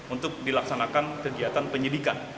untuk dilaksanakan kegiatan penyidikan